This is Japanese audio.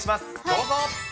どうぞ。